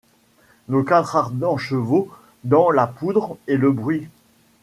Nos quatre ardents chevaux, dans la poudre et le bruit